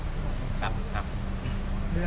ไม่ใช่นี่คือบ้านของคนที่เคยดื่มอยู่หรือเปล่า